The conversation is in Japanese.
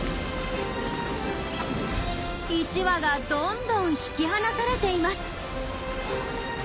１羽がどんどん引き離されています。